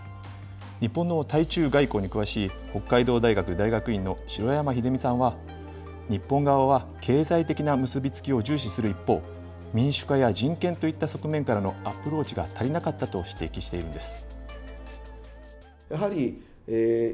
日本の対中外交に詳しい、北海道大学大学院の城山英巳さんは、日本側は経済的な結び付きを重視する一方、民主化や人権といった側面からのアプローチが足りなかったと指摘しているんです。